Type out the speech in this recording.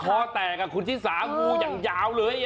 กรี๊ดคอแตกอ่ะคุณศิษภาพงูยังเจ้าเลย